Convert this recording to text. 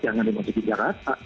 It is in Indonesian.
jangan dimasuki jakarta